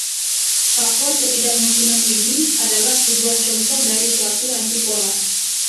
Faktor ketidakmungkinan ini adalah sebuah contoh dari suatu anti-pola.